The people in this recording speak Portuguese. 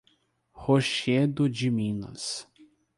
Rochedo de Minas